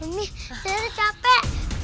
mami zara capek